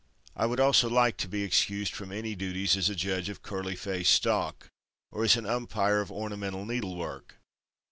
I would also like to be excused from any duties as a judge of curly faced stock or as an umpire of ornamental needlework.